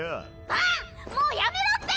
バンもうやめろって！